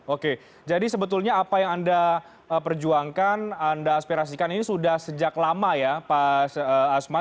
oke jadi sebetulnya apa yang anda perjuangkan anda aspirasikan ini sudah sejak lama ya pak asma